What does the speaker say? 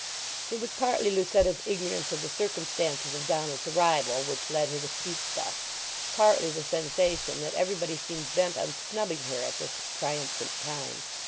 It was partly Lucetta's ignorance of the circumstances of Donald's arrival which led her to speak thus, partly the sensation that everybody seemed bent on snubbing her at this triumphant time.